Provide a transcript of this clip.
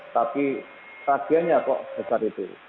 tapi tagihannya kok besar itu